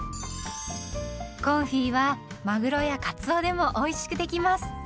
コンフィはマグロやカツオでもおいしくできます。